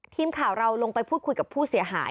ทีมข่าวเราลงไปพูดคุยกับผู้เสียหาย